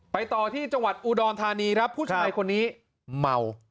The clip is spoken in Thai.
ต่อที่จังหวัดอุดรธานีครับผู้ชายคนนี้เมา